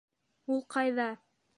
Ул ҡайҙа?